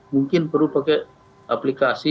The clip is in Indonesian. mungkin perlu pakai aplikasi